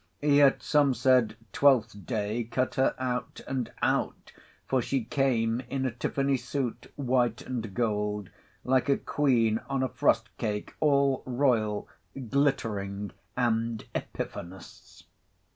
Yet some said, Twelfth Day cut her out and out, for she came in a tiffany suit, white and gold, like a queen on a frost cake, all royal, glittering, and Epiphanous.